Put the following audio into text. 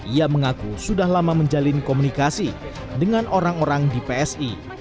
ia mengaku sudah lama menjalin komunikasi dengan orang orang di psi